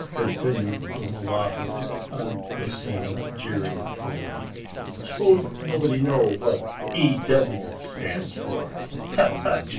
continued the mulatta, in the same jeering tone. "S'pose nobody know what E.W. stand for? yah, yah!